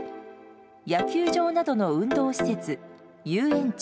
野球場などの運動施設、遊園地